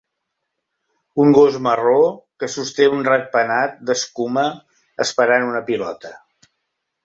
Un gos marró que sosté un ratpenat d'escuma esperant una pilota.